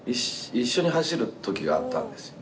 一緒に走る時があったんですよね